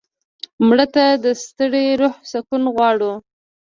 مړه ته د ستړي روح سکون غواړو